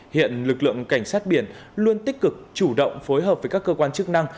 hiện lực lượng cảnh sát biển luôn tích cực chủ động phối hợp với các cơ quan chức năng